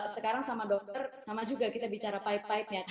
sekarang sama dokter sama juga kita bicara pipe pipenya